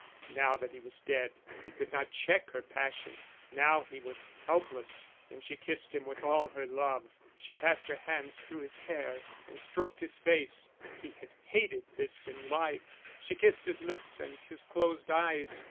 Now that he was dead, he could not check her passion, now he was helpless and she kissed him with all her love; she passed her hands through his hair, and stroked his face (he had hated this in life), she kissed his lips and his closed eyes.